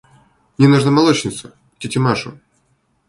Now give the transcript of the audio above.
– Мне нужно молочницу, тетю Машу.